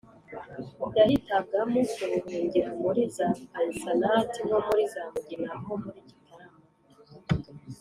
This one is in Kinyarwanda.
yahitaga mo kubuhungira muri za paysannat nko muri za mugina ho muri gitarama,